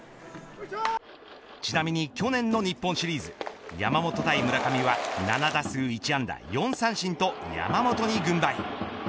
ちなみに去年の日本シリーズ山本対村上は７打数１安打４三振と山本に軍配。